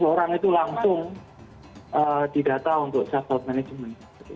empat ratus orang itu langsung didata untuk self help management